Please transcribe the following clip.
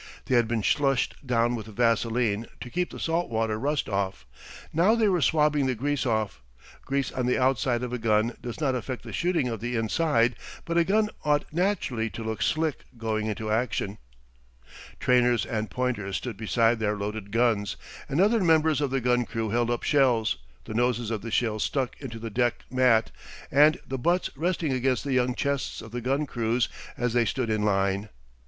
They had been slushed down with vaseline to keep the salt water rust off; now they were swabbing the grease off. Grease on the outside of a gun does not affect the shooting of the inside, but a gun ought naturally to look slick going into action. [Illustration: Our thirty knot clip was eating up the road. We were getting near the spot.] Trainers and pointers stood beside their loaded guns, and other members of the gun crew held up shells, the noses of the shells stuck into the deck mat and the butts resting against the young chests of the gun crews as they stood in line.